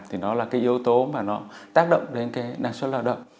thì đó là cái yếu tố mà nó tác động đến cái năng suất lao động